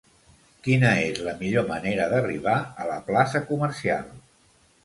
Quina és la millor manera d'arribar a la plaça Comercial?